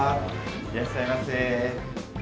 いらっしゃいませ。